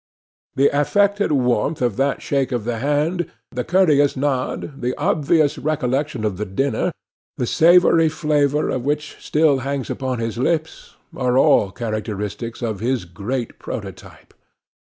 The affected warmth of that shake of the hand, the courteous nod, the obvious recollection of the dinner, the savoury flavour of which still hangs upon his lips, are all characteristics of his great prototype.